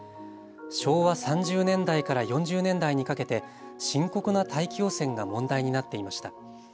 昭和３０年代から４０年代にかけて深刻な大気汚染が問題になっていました。